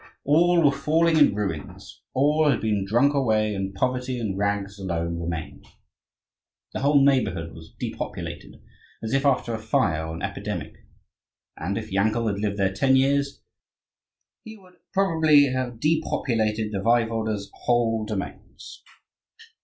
All were falling in ruins; all had been drunk away, and poverty and rags alone remained. The whole neighbourhood was depopulated, as if after a fire or an epidemic; and if Yankel had lived there ten years, he would probably have depopulated the Waiwode's whole domains.